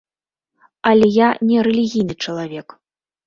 Але я не рэлігійны чалавек.